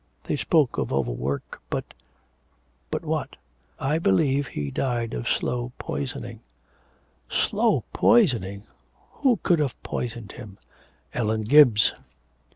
They spoke of overwork, but ' 'But, what?' 'I believe he died of slow poisoning.' 'Slow poisoning! Who could have poisoned him?' 'Ellen Gibbs.'